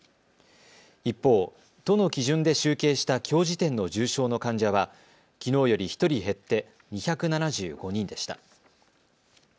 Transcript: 一方、都の基準で集計したきょう時点の重症の患者はきのうより１人減って２７５人でした。